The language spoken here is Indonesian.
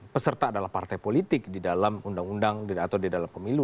peserta adalah partai politik di dalam undang undang atau di dalam pemilu